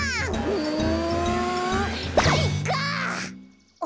うん？